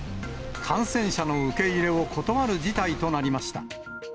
感染者の受け入れを断る事態となりました。